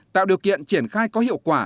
tạo điều kiện triển khai có hiệu quả